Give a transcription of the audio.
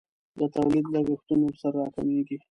د تولید لګښتونه ورسره راکمیږي.